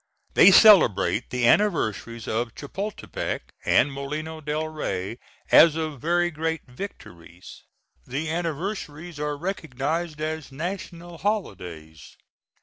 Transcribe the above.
They celebrate the anniversaries of Chapultepec and Molino del Rey as of very great victories. The anniversaries are recognized as national holidays.